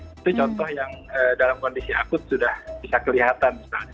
itu contoh yang dalam kondisi akut sudah bisa kelihatan